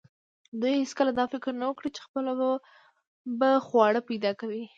دوی هیڅکله دا فکر نه و کړی چې خپله به خواړه پیدا کوي.